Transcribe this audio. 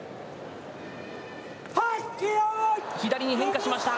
左に変化しました。